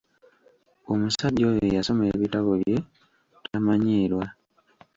Omusajja oyo yasoma ebitabo bye tamanyiirwa.